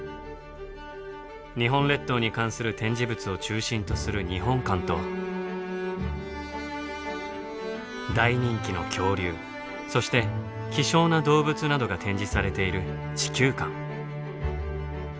日本列島に関する展示物を中心とする日本館と大人気の恐竜そして希少な動物などが展示されている地球館。